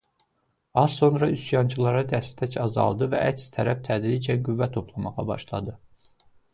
Az sonra üsyançılara dəstək azaldı və əks tərəf tədricən qüvvə toplamağa başladı.